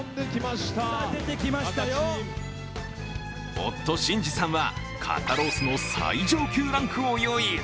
夫・新二さんは肩ロースの最上級ランクを用意。